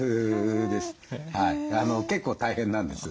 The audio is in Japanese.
結構大変なんです。